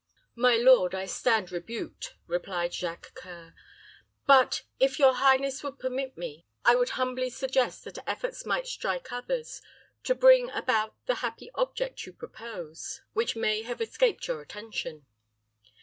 "My lord, I stand rebuked," replied Jacques C[oe]ur. "But, if your highness would permit me, I would numbly suggest that efforts might strike others, to bring about the happy object you propose, which may have escaped your attention."